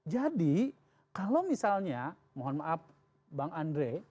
jadi kalau misalnya mohon maaf bang andre